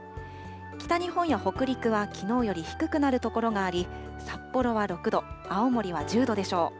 北日本や北陸はきのうより低くなる所があり、札幌は６度、青森は１０度でしょう。